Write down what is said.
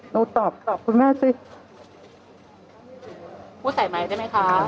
ตอบตอบคุณแม่สิพูดใส่ไหมได้ไหมคะ